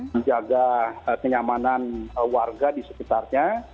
menjaga kenyamanan warga di sekitarnya